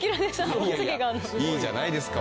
いやいやいいじゃないですか。